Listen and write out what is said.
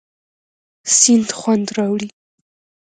سیند خوند راوړي.